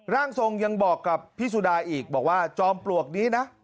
ร่างทรงยังบอกกับพี่สุดาอีกบอกว่าจอมปลวกนี้นะ